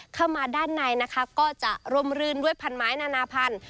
เข้ามาด้านในนะคะก็จะร่มรื่นด้วยพันไม้นานาพันธุ